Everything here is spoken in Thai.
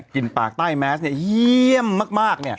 กลิ่นปากใต้แมสเยี่ยมมาก